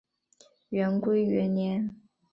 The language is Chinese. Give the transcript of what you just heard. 元龟元年。